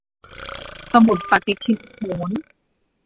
สมุดปฏิทินโหร